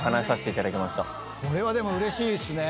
これはうれしいっすね。